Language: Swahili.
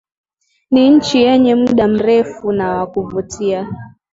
ni nchi yenye muda mrefu na wa kuvutia